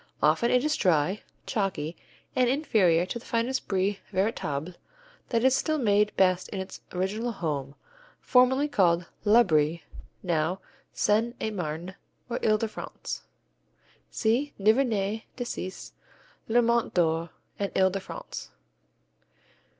Often it is dry, chalky, and far inferior to the finest Brie véritable that is still made best in its original home, formerly called La Brie, now Seine et Marne, or Ile de France. see Nivernais Decize, Le Mont d'Or, and Ile de France.